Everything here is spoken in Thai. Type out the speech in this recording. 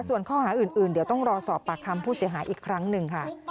ส่วนข้อหาอื่นเดี๋ยวต้องรอสอบปากคำผู้เสียหายอีกครั้งหนึ่งค่ะ